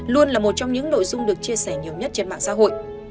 luôn là một trong những nội dung được chia sẻ nhiều nhất trên mạng xã hội